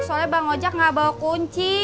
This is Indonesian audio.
soalnya bang ojak gak bawa kunci